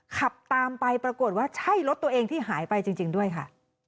ขับตามไปปรากฏว่าใช่รถตัวเองที่หายไปจริงด้วยค่ะ